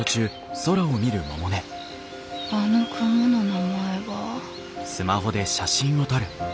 あの雲の名前は。